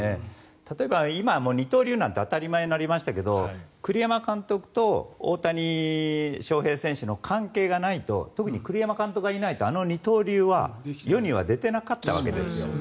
例えば今、二刀流なんて当たり前になりましたけど栗山監督と大谷翔平選手の関係がないと特に栗山監督がいないとあの二刀流は世には出てなかったわけですよ。